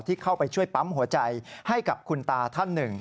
เข้าไปช่วยปั๊มหัวใจให้กับคุณตาท่านหนึ่ง